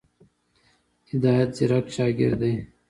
هدایت ځيرک شاګرد دی.